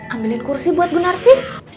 ambilin kursi buat bu narsi